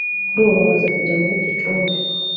kuri ubu bamaze kujya muri Gicumbi